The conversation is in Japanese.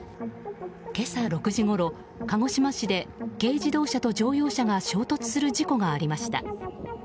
今朝６時ごろ、鹿児島市で軽自動車と乗用車が衝突する事故がありました。